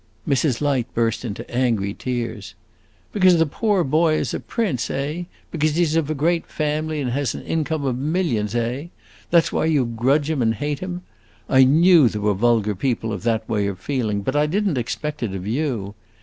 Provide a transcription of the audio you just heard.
Mrs. Light burst into angry tears. "Because the poor boy is a prince, eh? because he 's of a great family, and has an income of millions, eh? That 's why you grudge him and hate him. I knew there were vulgar people of that way of feeling, but I did n't expect it of you.